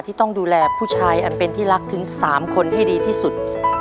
ที่ต้องดูแลผู้ชายอันเป็นที่รักถึง๓คนให้ดีที่สุด